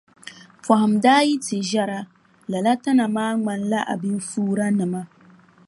Pɔhim daa yi ti ʒɛra lala tana maa ŋmanila abinfuuranima.